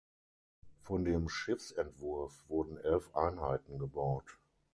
Von dem Schiffsentwurf wurden elf Einheiten gebaut.